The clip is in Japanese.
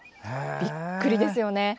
びっくりですよね。